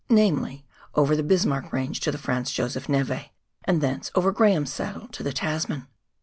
namely, over the Bismarck Range to tlie Franz Josef neve, and thence over Graham's Saddle to the Tasman.